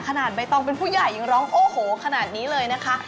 ใบตองเป็นผู้ใหญ่ยังร้องโอ้โหขนาดนี้เลยนะคะ